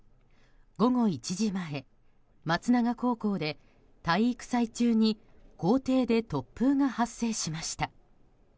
午後１時前松永高校で体育祭中に校庭で突風が発生しました。